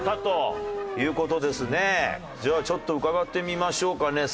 じゃあちょっと伺ってみましょうかね。